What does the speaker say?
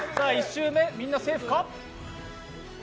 １周目みんなセーフか。